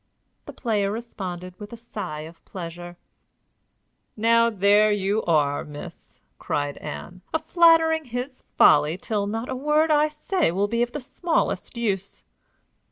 The player responded with a sigh of pleasure. "Now there you are, miss," cried Ann, "a flattering of his folly till not a word I say will be of the smallest use!"